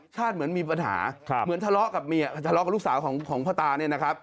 เหมือนมีปัญหาเหมือนทะเลาะกับเมียทะเลาะกับลูกสาวของพ่อตาเนี่ยนะครับ